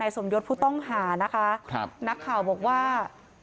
สมยศผู้ต้องหานะคะครับนักข่าวบอกว่า